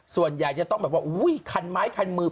ส่วนใหญ่จะต้องแบบว่าอุ้ยคันไม้คันมือ